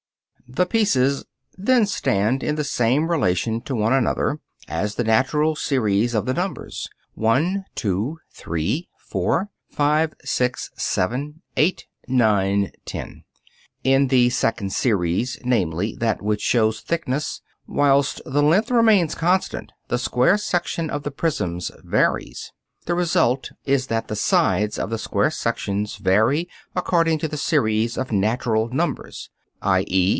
The pieces then stand in the same relation to one another as the natural series of the numbers 1, 2, 3, 4, 5, 6, 7, 8, 9, 10. In the second series, namely, that which shows thickness, whilst the length remains constant, the square section of the prisms varies. The result is that the sides of the square sections vary according to the series of natural numbers, _i.e.